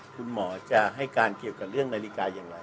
คุณหมอจะให้การเกี่ยวกับเรื่องนาฬิกาอย่างไร